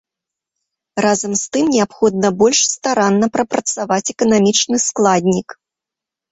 Разам з тым неабходна больш старанна прапрацаваць эканамічны складнік.